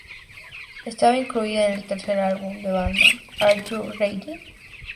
Estaba incluida en el tercer álbum de la banda, "Are You Ready?